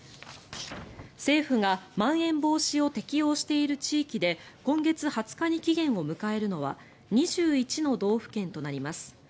政府がまん延防止を適用している地域で今月２０日に期限を迎えるのは２１の道府県となります。